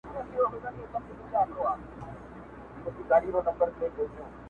تر بار لاندي یې ورمات کړله هډونه!